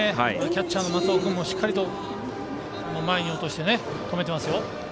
キャッチャーの松尾君もしっかりと前に落として止めていますよ。